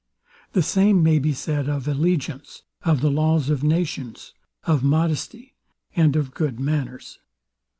The same may be said of allegiance, of the laws of nations, of modesty, and of good manners.